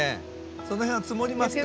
その辺は積もりますか？